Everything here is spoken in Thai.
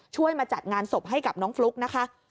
มาจัดงานศพให้กับน้องฟลุ๊กนะคะ